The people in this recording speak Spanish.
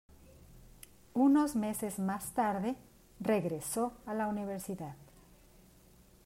Unos meses más tarde regresó a la Universidad.